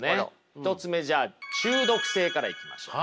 １つ目じゃあ中毒性からいきましょう。